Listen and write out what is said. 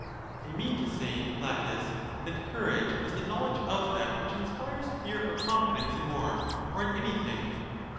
I mean to say, Laches, that courage is the no LACHES knowledge of that which inspires fear or confidence in war, or in anything.